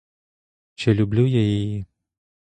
Чи люблю я її?